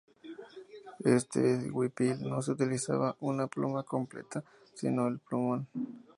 En este huipil no se utilizaba una pluma completa, sino el plumón.